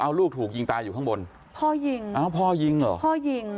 เอาลูกถูกยิงตายอยู่ข้างบนพ่อยิงอ้าวพ่อยิงเหรอพ่อยิง